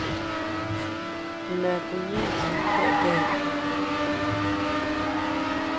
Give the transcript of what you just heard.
Ndaku ñeʼeta yaʼa yeabea.